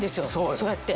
そうやって。